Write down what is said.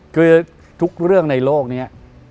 คือทุกเรื่องในโลกนี้